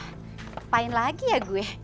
ngapain lagi ya gue